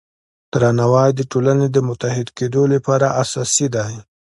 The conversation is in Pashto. درناوی د ټولنې د متحد کیدو لپاره اساسي دی.